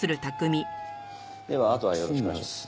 ではあとはよろしくお願いします。